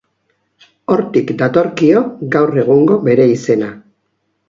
Hortik datorkio gaur egungo bere izena.